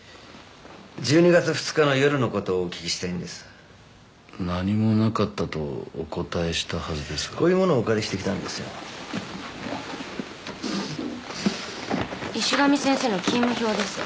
１２月２日の夜のことをお聞きしたいんです何もなかったとお答えしたはずですがこういう物をお借りしてきたんですよ石神先生の勤務表です